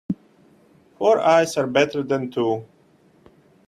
Four eyes are better than two.